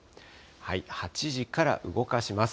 ８時から動かします。